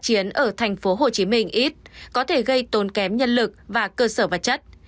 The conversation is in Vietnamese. chiến ở tp hcm ít có thể gây tốn kém nhân lực và cơ sở vật chất